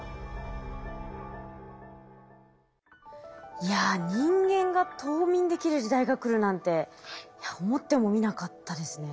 いや人間が冬眠できる時代が来るなんて思ってもみなかったですね。